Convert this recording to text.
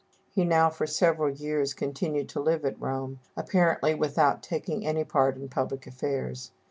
He now for several years continued to live at Rome, apparently without taking any part in public affairs.